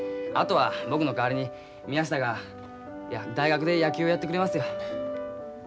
あとは僕の代わりに宮下が大学で野球をやってくれますよ。